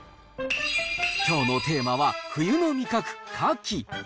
きょうのテーマは、冬の味覚、カキ。